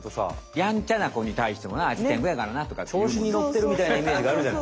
やんちゃなこにたいしてもな「あいつテングやからな」とかって。調子にのってるみたいなイメージがあるじゃない。